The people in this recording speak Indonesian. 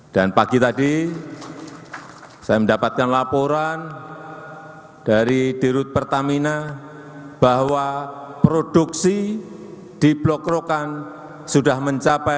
dan pagi tadi saya mendapatkan laporan dari dirut pertamina bahwa produksi di blok rokan sudah mencapai